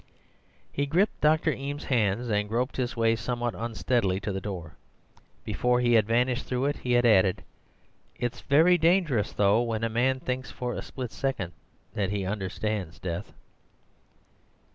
"He gripped Dr. Eames's hand and groped his way somewhat unsteadily to the door. Before he had vanished through it he had added, 'It's very dangerous, though, when a man thinks for a split second that he understands death.